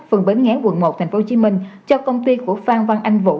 phường bến ngán quận một tp hcm cho công ty của phan văn anh vũ